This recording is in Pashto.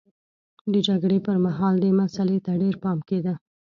د جګړې پرمهال دې مسئلې ته ډېر پام کېده.